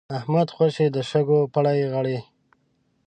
احمد خوشی د شګو پړي غړي.